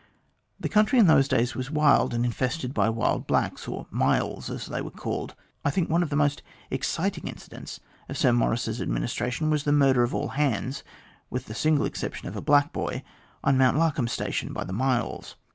The country in those days was wild and infested by wild blacks or ' myalls,' as they were called. I think one of the most exciting incidents of Sir Maurice's administration was the murder of all hands, with the single exception of a black boy, on Mount Larcombe Station by [the myalls.